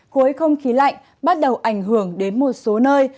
khối không khí lạnh bắt đầu ảnh hưởng đến một số nơi